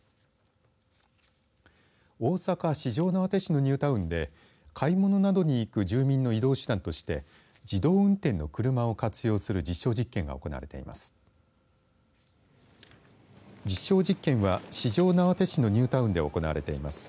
大阪、四条畷市のニュータウンで買い物などに行く住民の移動手段として自動運転の車を活用する実証実験が行われています。